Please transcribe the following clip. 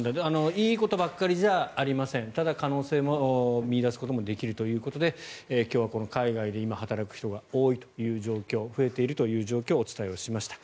いいことばかりじゃありませんただ、可能性を見いだすこともできるということで今日は海外で働く人が増えているという状況をお伝えしました。